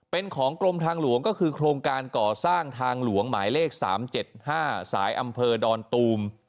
เป็นของกรมทางหลวงก็คือโครงการก่อสร้างทางหลวงหมายเลข๓๗๕สายอำเภอดอนตูม